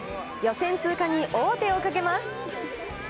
予選通過に王手をかけます。